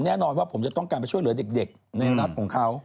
แน่นอนว่าผมจะต้องการไปช่วยเหลือเด็กในรัฐของเขา